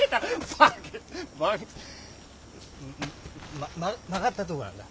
バカ曲がったとこなんだ。